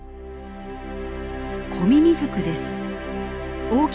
コミミズクです。